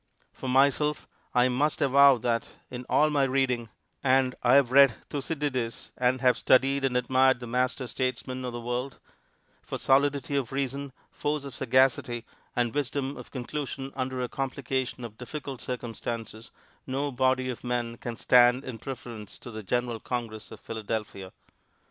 For myself, I must avow that, in all my reading and I have read Thucydides and have studied and admired the master statesmen of the world for solidity of reason, force of sagacity, and wisdom of conclusion under a complication of difficult circumstances, no body of men can stand in preference to the general Congress of Philadelphia.